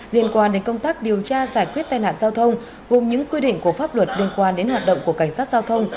liên quan đến công tác điều tra giải quyết tai nạn giao thông gồm những quy định của pháp luật liên quan đến hoạt động của cảnh sát giao thông